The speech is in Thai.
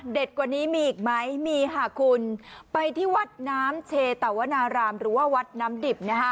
กว่านี้มีอีกไหมมีค่ะคุณไปที่วัดน้ำเชตวนารามหรือว่าวัดน้ำดิบนะฮะ